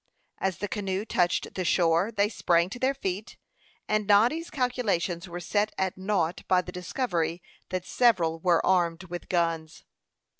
As the canoe touched the shore, they sprang to their feet, and Noddy's calculations were set at nought by the discovery that several were armed with guns.